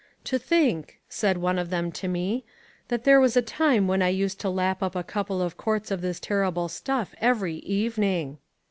"To think," said one of them to me, "that there was a time when I used to lap up a couple of quarts of this terrible stuff every evening."